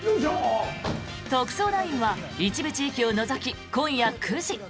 「特捜９」は一部地域を除き、今夜９時。